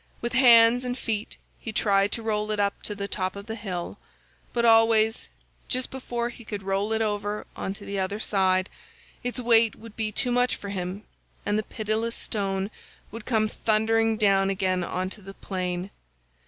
With hands and feet he tried to roll it up to the top of the hill, but always, just before he could roll it over on to the other side, its weight would be too much for him, and the pitiless stone98 would come thundering down again on to the plain.